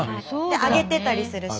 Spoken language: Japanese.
揚げてたりするし。